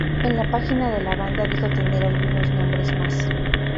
En la página de la banda dijo tener algunos nombres más.